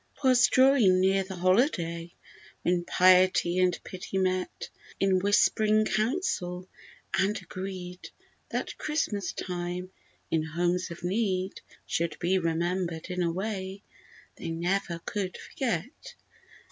'Twas drawing near the holiday, When piety and pity met In whisp'ring council, and agreed That Christmas time, in homes of need, Should be remembered in a way They never could forget.